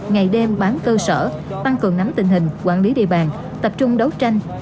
ngày đêm bám cơ sở tăng cường nắm tình hình quản lý địa bàn tập trung đấu tranh